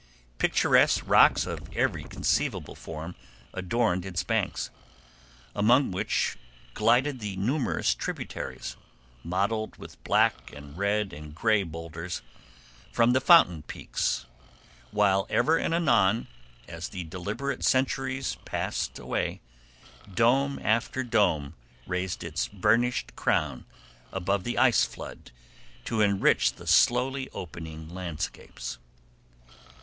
Picturesque rocks of every conceivable form adorned its banks, among which glided the numerous tributaries, mottled with black and red and gray boulders, from the fountain peaks, while ever and anon, as the deliberate centuries passed away, dome after dome raised its burnished crown above the ice flood to enrich the slowly opening landscapes.